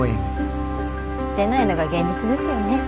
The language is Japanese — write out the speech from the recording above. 出ないのが現実ですよね。